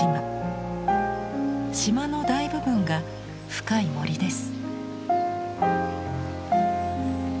島の大部分が深い森です。